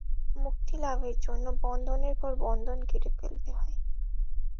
মুক্তিলাভের জন্য বন্ধনের পর বন্ধন কেটে ফেলতে হবে।